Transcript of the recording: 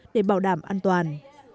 để bảo đảm an toàn